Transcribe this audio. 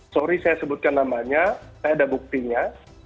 sorry saya sebutkan namanya saya ada buktinya